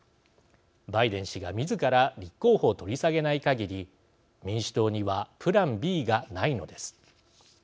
バイデン氏がみずから立候補を取り下げないかぎり民主党にはプランＢがないのです。